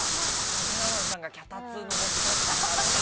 カメラマンさんが脚立登って撮ったんだろうな。